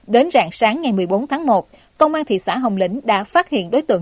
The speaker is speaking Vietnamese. đến rạng sáng ngày một mươi bốn tháng một công an thị xã hồng lĩnh đã phát hiện đối tượng